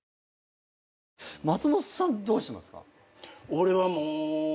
俺はもう。